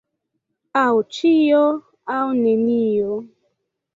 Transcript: Aŭ ĉio, aŭ nenio.